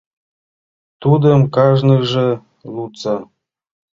Тудым кажныже лудса.